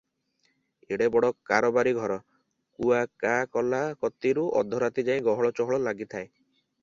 ଏଡେ ବଡ କାରବାରୀ ଘର, କୁଆ କା କଲା କତିରୁ ଅଧରାତିଯାଏ ଗହଳ ଚହଳ ଲାଗିଥାଏ ।